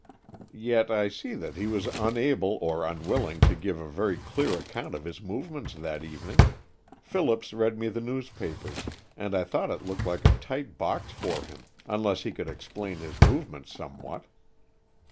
"Yet I see that he was unable or unwilling to give a very clear account of his movements that evening. Phillips read me the newspapers, and I thought it looked like a tight box for him, unless he could explain his movements somewhat."